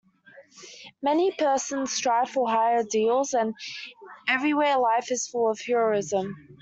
Many persons strive for high ideals, and everywhere life is full of heroism.